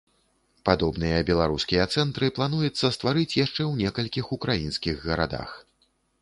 Падобныя беларускія цэнтры плануецца стварыць яшчэ ў некалькіх украінскіх гарадах.